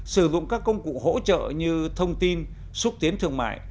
sử dụng các công cụ hỗ trợ như thông tin xúc tiến thương mại